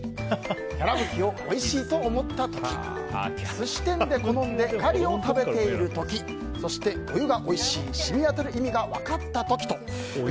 きゃらぶきをおいしいと思った時寿司店で好んでガリを食べている時そして、お湯がおいしい染み渡る意味が分かった時と。